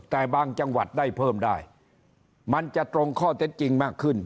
แต่บางจังหวัดได้เพิ่มได้มันจะตรงข้อเท็จจริงมากขึ้น